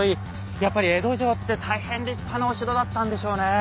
やっぱり江戸城って大変立派なお城だったんでしょうね。